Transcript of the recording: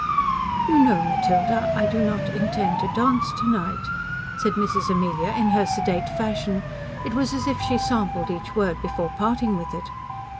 "You know, Matilda, I do not intend to dance to night," said Mrs Amelia in her sedate fashion: it was as if she sampled each word before parting with it.